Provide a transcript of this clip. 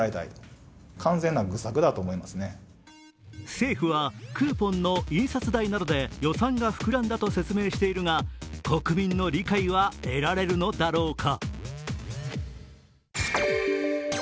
政府はクーポンの印刷代などで予算が膨らんだと説明しているが、国民の理解は得られるのだろうか。